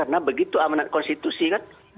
karena begitu amanat konstitusi kan